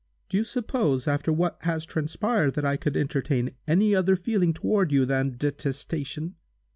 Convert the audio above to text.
Do you suppose after what has transpired that I could entertain any other feeling toward you than detestation?"